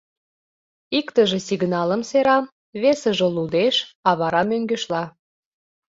Иктыже сигналым сера, весыже лудеш, а вара — мӧҥгешла.